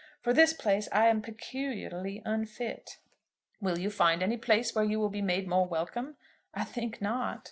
For this place I am peculiarly unfit." "Will you find any place where you will be made more welcome?" "I think not."